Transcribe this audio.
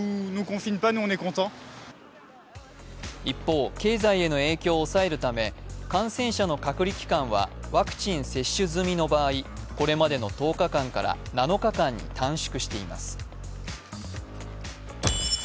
一方、経済への影響を抑えるため、感染者の隔離期間はワクチン接種済みの場合これまでの１０日間から７日間に短縮しています。